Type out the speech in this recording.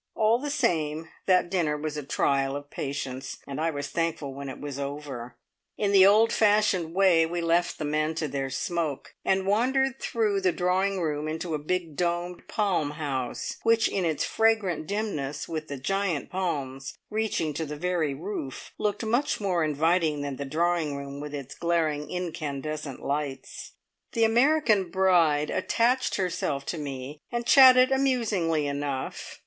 All the same, that dinner was a trial of patience, and I was thankful when it was over. In the old fashioned way, we left the men to their smoke, and wandered through the drawing room into a big domed palm house, which in its fragrant dimness, with the giant palms reaching to the very roof, looked much more inviting than the drawing room with its glaring incandescent lights. The American bride attached herself to me and chatted amusingly enough.